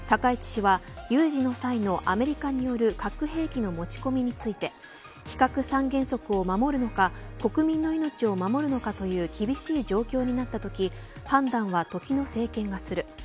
高市氏は有事の際のアメリカによる核兵器の持ち込みについて非核三原則を守るのか国民の命を守るのかという厳しい状況になったとき判断は時の政権がする。